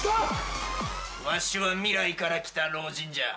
わしは未来から来た老人じゃ。